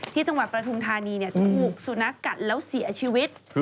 ที่จังหวัดประธุมธานีถูกสุนัขกัดแล้วเสียชีวิต